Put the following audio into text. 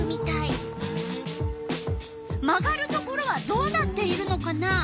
曲がるところはどうなっているのかな？